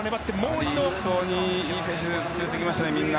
１走にいい選手連れてきましたね。